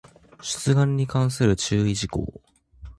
出願に関する注意事項